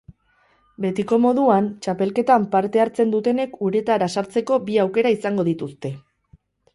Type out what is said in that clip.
Betiko moduan, txapelketan parte hartzen dutenek uretara sartzeko bi aukera izango dituzte.